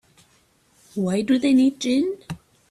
Why do they need gin?